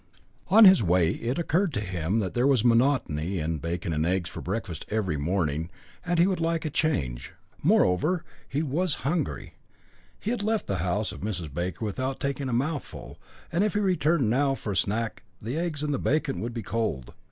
On his way it occurred to him that there was monotony in bacon and eggs for breakfast every morning, and he would like a change. Moreover, he was hungry; he had left the house of Mrs. Baker without taking a mouthful, and if he returned now for a snack the eggs and the bacon would be cold.